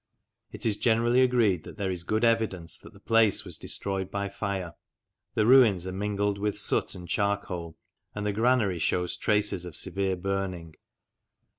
It is generally agreed that there is good evidence that the place was destroyed by fire; the ruins are mingled with soot and charcoal, and the granary shews traces of severe burning.